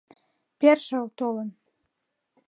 Першыл толын.